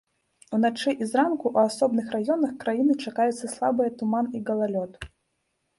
Уначы і зранку ў асобных раёнах краіны чакаюцца слабыя туман і галалёд.